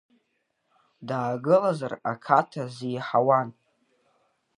Даагылазар акаҭа сзиҳауан.